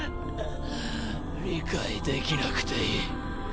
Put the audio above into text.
理解できなくていい。